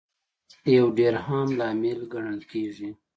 یو ډېر عام لامل ګڼل کیږي